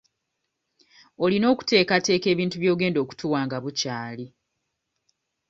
Olina okuteekateeka ebintu by'ogenda okutuwa nga bukyali.